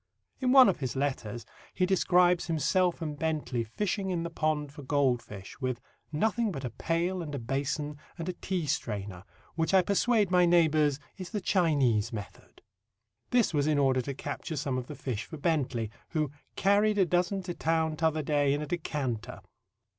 In one of his letters he describes himself and Bentley fishing in the pond for goldfish with "nothing but a pail and a basin and a tea strainer, which I persuade my neighbours is the Chinese method." This was in order to capture some of the fish for Bentley, who "carried a dozen to town t'other day in a decanter."